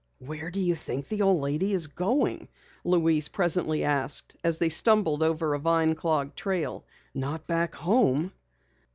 "Where do you think the old lady is going?" Louise presently asked as they stumbled over a vine clogged trail. "Not back home."